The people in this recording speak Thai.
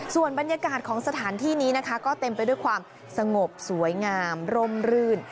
ส่วนบรรยากาศของสถานที่นี้นะคะก็เต็มไปด้วยความสงบสวยงามร่มรื่น